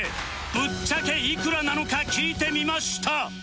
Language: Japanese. ぶっちゃけいくらなのか聞いてみました